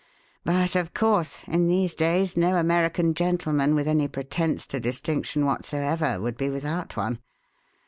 But, of course, in these days no American gentleman with any pretence to distinction whatsoever would be without one.